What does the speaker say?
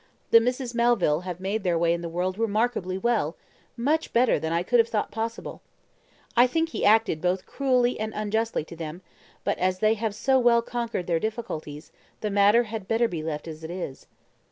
The Misses Melville have made their way in the world remarkably well much better than I could have thought possible. I think he acted both cruelly and unjustly to them, but as they have so well conquered their difficulties, the matter had better be left as it is."